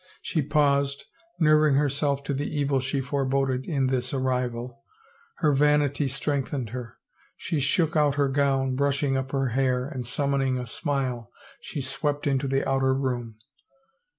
She paused, nerving herself to the evil she foreboded in this arrival. Her vanity strengthened her ; she shook out her gown, brushing up her hair, and summoning a smile she swept into the outer room.